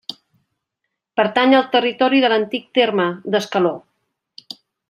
Pertany al territori de l'antic terme d'Escaló.